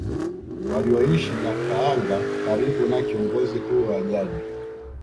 Walioishi Nyakahanga karibu na kiongozi huyo wa jadi